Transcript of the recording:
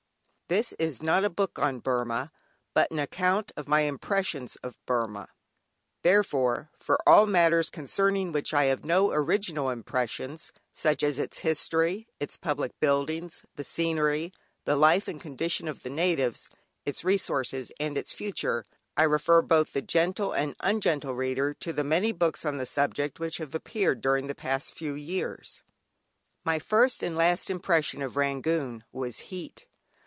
This is not a book on "Burmah," but an account of my impressions of Burmah; therefore, for all matters concerning which I had no original impressions, such as its history, its public buildings, the scenery, the life and condition of the natives, its resources, and its future, I refer both the gentle and ungentle reader to the many books on the subject which have appeared during the past few years. My first and last impression of Rangoon was heat.